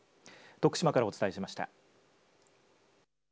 徳島からお伝えしました。